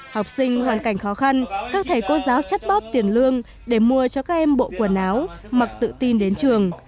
học sinh hoàn cảnh khó khăn các thầy cô giáo chắt bóp tiền lương để mua cho các em bộ quần áo mặc tự tin đến trường